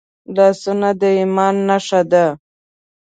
لاسونه د ایمان نښه ده